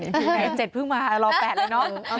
ไหน๗เพิ่งมารอ๘แล้วเนอะ